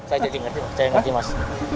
saya ngerjim mas